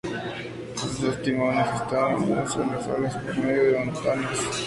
Los dos timones estaban unidos a las alas por medio de montantes.